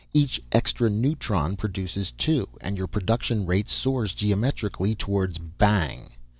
Each extra neutron produces two and your production rate soars geometrically towards bang.